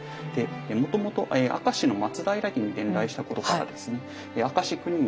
もともと明石の松平家に伝来したことからですね